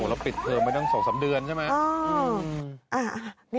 แล้วปิดเทอมไปตั้ง๒๓เดือนใช่ไหม